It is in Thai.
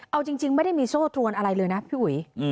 เอาจริงไม่ได้มีโซ่ตรวนอะไรเลยนะพี่อุ๋ย